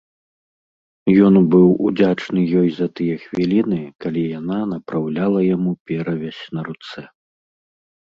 Ён быў удзячны ёй за тыя хвіліны, калі яна напраўляла яму перавязь на руцэ.